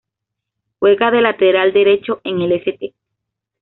Juega de lateral derecho en el St.